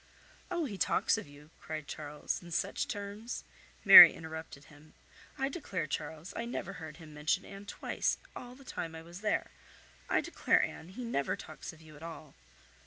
"Oh! he talks of you," cried Charles, "in such terms—" Mary interrupted him. "I declare, Charles, I never heard him mention Anne twice all the time I was there. I declare, Anne, he never talks of you at all."